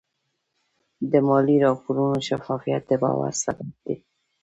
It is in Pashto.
د مالي راپورونو شفافیت د باور سبب دی.